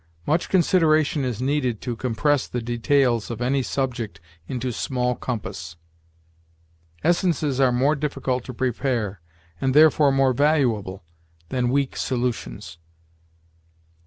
Much consideration is needed to compress the details of any subject into small compass. Essences are more difficult to prepare, and therefore more valuable, than weak solutions.